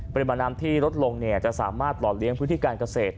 เป็นประนำที่ลดลงเนี่ยจะสามารถต่อเลี้ยงพื้นที่การเกษตร